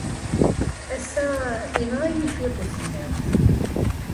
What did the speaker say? Ass-a, yenɣa-iyi cwiṭ usemmiḍ.